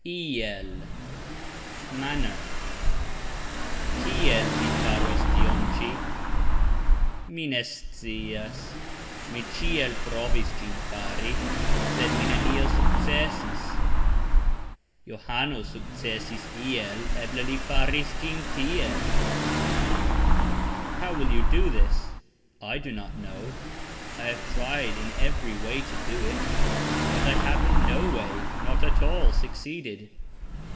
"iel", manner. "Kiel" vi faros tion cxi? Mi ne scias; mi "cxiel" provis gxin fari, sed mi "neniel" sukcesis. Johano sukcesis "iel"; eble li faris gxin "tiel". "How" will you do this? I do not know; I have tried in every way to do it, but I have "in no way" (not at all) succeeded.